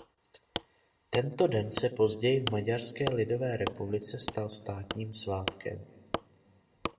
Tento den se později v Maďarské lidové republice stal státním svátkem.